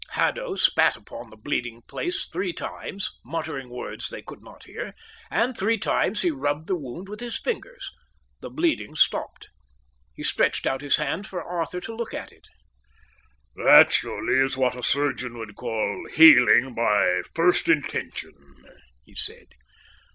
Haddo spat upon the bleeding place three times, muttering words they could not hear, and three times he rubbed the wound with his fingers. The bleeding stopped. He stretched out his hand for Arthur to look at. "That surely is what a surgeon would call healing by first intention," he said.